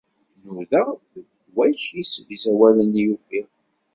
Nudaɣ deg wakk isegzawalen i ufiɣ.